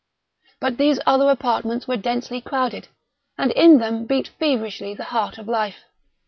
But these other apartments were densely crowded, and in them beat feverishly the heart of life.